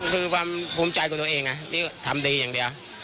คือความภูมิใจของตัวเองที่ทำดีอย่างเดียว